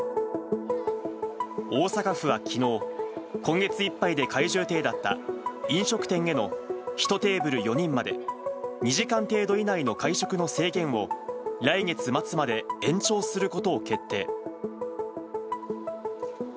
大阪府はきのう、今月いっぱいで解除予定だった飲食店への１テーブル４人まで、２時間程度以内の会食の制限を来月末まで延長することを決定。